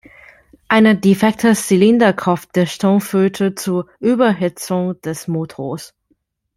Eine defekte Zylinderkopfdichtung führte zur Überhitzung des Motors.